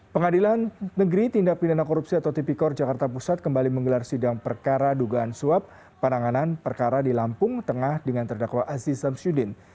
pengadilan negeri tindak pindahan korupsi atau tipikor jakarta pusat kembali menggelar sidang perkara dugaan suap penanganan perkara di lampung tengah dengan terdakwa aziz samsudin